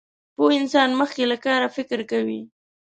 پوه انسان مخکې له کاره فکر کوي.